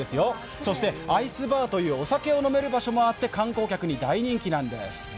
そしてアイスバーというお酒を飲める場所もあって、観光客に大人気なんです。